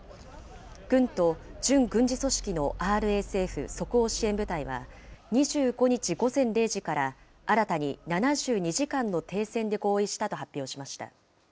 軍と準軍事組織のＲＳＦ・即応支援部隊は、２５日午前０時から、新たに７２時間の停戦で合意したと発表しました。